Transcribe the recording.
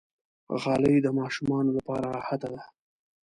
غالۍ د ماشومانو لپاره راحته ده.